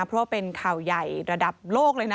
เพราะว่าเป็นข่าวใหญ่ระดับโลกเลยนะ